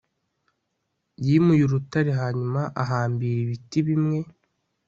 yimuye urutare hanyuma ahambira ibiti bimwe